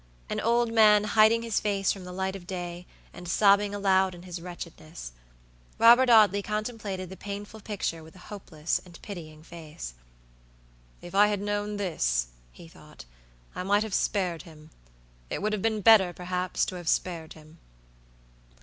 An old man hiding his face from the light of day, and sobbing aloud in his wretchedness. Robert Audley contemplated the painful picture with a hopeless and pitying face. "If I had known this," he thought, "I might have spared him. It would have been better, perhaps, to have spared him."